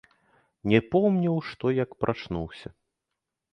Не помніў што, як прачнуўся.